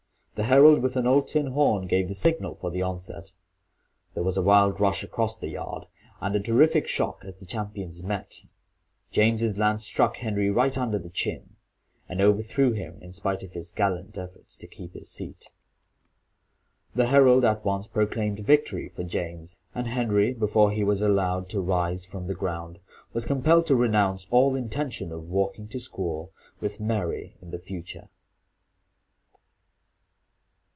The herald with an old tin horn gave the signal for the onset. There was a wild rush across the yard, and a terrific shock as the champions met. James's lance struck Henry right under the chin, and overthrew him in spite of his gallant efforts to keep his seat. The herald at once proclaimed victory for James; and Henry, before he was allowed to rise from the ground, was compelled to renounce all intention of walking to school with Mary in the future.